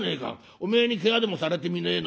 お前にけがでもされてみねえな。